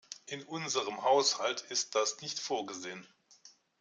In unserem Haushalt ist das nicht vorgesehen.